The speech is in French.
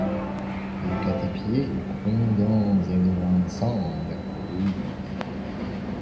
Et qu'à tes pieds, grondant et grinçant, la cohue